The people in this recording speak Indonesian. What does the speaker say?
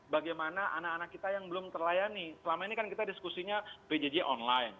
karena anak anak kita yang belum terlayani selama ini kan kita diskusinya pjj online